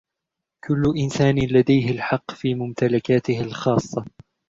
كل إنسان لديهِ الحق في ممتلكاتهِ الخاصة.